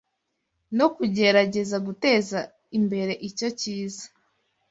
no kugerageza guteza imbere icyo cyiza,